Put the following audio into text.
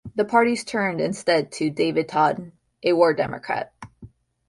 The parties turned instead to David Tod, a War Democrat.